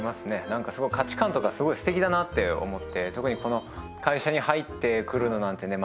なんか価値観とかすごい素敵だなって思って特にこの会社に入ってくるのなんてね